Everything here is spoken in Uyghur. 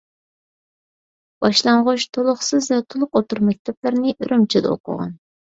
باشلانغۇچ، تولۇقسىز ۋە تولۇق ئوتتۇرا مەكتەپلەرنى ئۈرۈمچىدە ئوقۇغان.